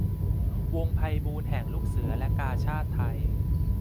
วงไพบูลย์แห่งลูกเสือและกาชาดไทย